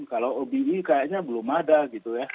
kalau obe kayaknya belum ada gitu ya